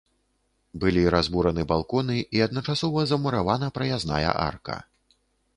Былі разбураны балконы і адначасова замуравана праязная арка.